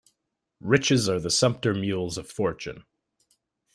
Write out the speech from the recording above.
Riches are the sumpter mules of fortune.